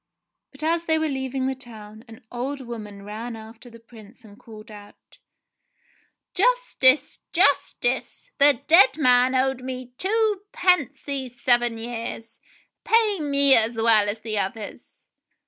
But as they were leaving the town, an old woman ran after the Prince and called out, "Justice! Justice! The dead JACK THE GIANT KILLER gy man owed me twopence these seven years. Pay me as well as the others."